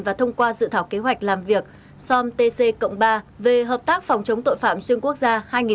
và thông qua dự thảo kế hoạch làm việc som tc cộng ba về hợp tác phòng chống tội phạm xuyên quốc gia hai nghìn hai mươi bốn hai nghìn hai mươi bảy